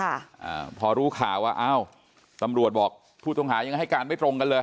อ่าพอรู้ข่าวว่าอ้าวตำรวจบอกผู้ต้องหายังให้การไม่ตรงกันเลย